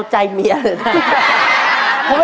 ตัวเลือกที่สี่ชัชวอนโมกศรีครับ